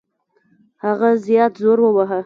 هغه زیات زور وواهه.